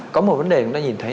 có một vấn đề chúng ta nhìn thấy